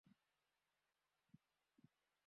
দুই সেকেন্ডের মধ্যে আসছি, বাবা!